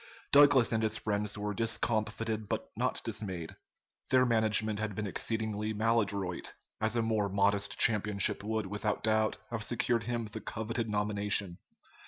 Douglas and his friends were discomfited but not dismayed. Their management had been exceedingly maladroit, as a more modest championship would without doubt have secured him the coveted nomination.